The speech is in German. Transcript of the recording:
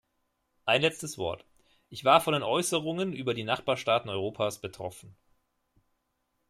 Ein letztes Wort: Ich war von den Äußerungen über die Nachbarstaaten Europas betroffen.